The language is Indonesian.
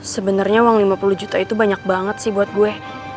sebenarnya uang lima puluh juta itu banyak banget sih buat gue